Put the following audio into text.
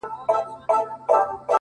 گوره رسوا بـــه سـو وړې خلگ خـبـري كـوي،